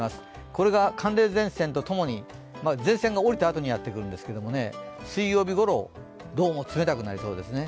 これが寒冷前線と共に、前線がおりたあとにやってくるんですけど、水曜日ごろ、どうも冷たくなりそうですね。